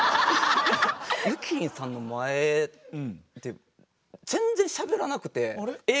ゆきりんさんの前で全然しゃべらなくてええ